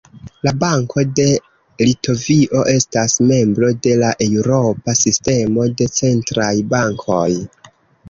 La Banko de Litovio estas membro de la Eŭropa Sistemo de Centraj Bankoj.